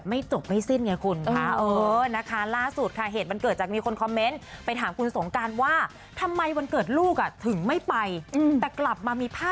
เมืองคนเขาบอกว่าให้แมทนะไปทำบุญสักเก้าวัดนะคะ